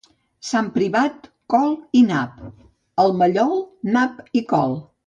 Sant Privat, col i nap. El Mallol, nap i col.